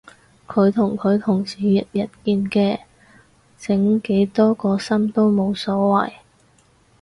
佢同佢同事日日見嘅整幾多個心都冇所謂